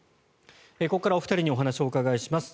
ここからお二人にお話をお伺いします。